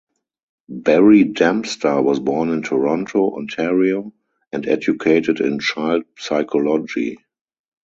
Barry Dempster was born in Toronto, Ontario, and educated in child psychology.